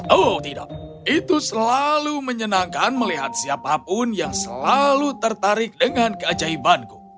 oh tidak itu selalu menyenangkan melihat siapapun yang selalu tertarik dengan keajaibanku